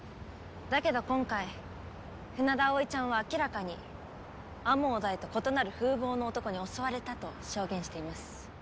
だけど今回船田葵ちゃんは明らかに天羽大と異なる風貌の男に襲われたと証言しています。